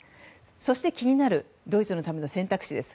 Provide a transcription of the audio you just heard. そして気になるドイツのための選択肢です。